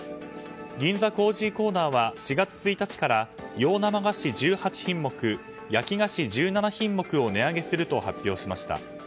銀座コージーコーナーは４月１日から洋生菓子１８品目焼き菓子１７品目を値上げすると発表しました。